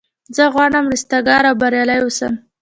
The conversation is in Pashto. زه غواړم رستګار او بریالی اوسم.